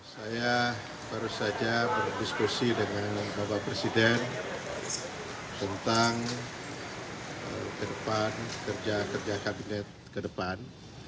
saya baru saja berdiskusi dengan bapak presiden tentang ke depan kerja kerja kabinet ke depan